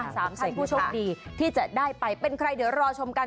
สามท่านผู้โชคดีที่จะได้ไปเป็นใครเดี๋ยวรอชมกัน